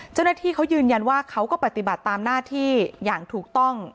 เจ้าหน้าที่เขายืนยันว่าเขาก็ปฏิบัติตามหน้าที่อย่างถูกต้อง